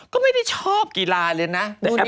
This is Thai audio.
ก็ไม่ได้ชอบกีฬาเลยนะ